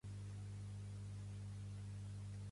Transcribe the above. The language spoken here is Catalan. Com ho faig per anar al passatge de Méndez Vigo número divuit?